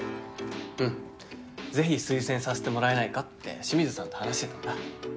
うんぜひ推薦させてもらえないかって清水さんと話してたんだ